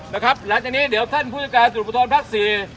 นะครับหลังจากนี้เดี๋ยวท่านผู้จัดการสุรปนธรรมภาคสี่